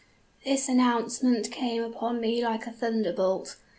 "This announcement came upon me like a thunderbolt.